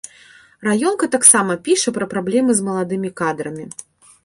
Раёнка таксама піша пра праблемы з маладымі кадрамі.